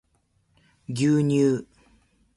牛乳